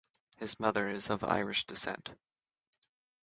His mother is of Irish descent.